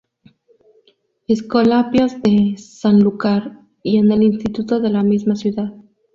Escolapios de Sanlúcar y en el instituto de la misma ciudad.